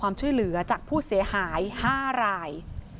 ความช่วยเหลือจากผู้เสียหาย๕ราย